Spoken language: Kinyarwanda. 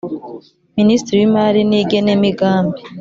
Minisitiri w ‘Imari n ‘Igenemigambi .